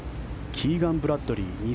キーガン・ブラッドリー